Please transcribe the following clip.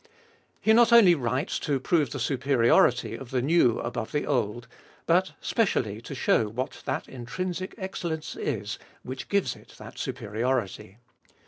He not only writes to prove the superiority of the new above the old, but specially to show what that intrinsic excellence is which gives it that superiority.